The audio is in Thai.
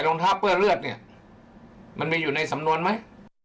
รองเท้าเปื้อเลือดเนี่ยมันมีอยู่ในสำนวนไหม